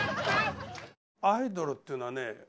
アイドルっていうのはね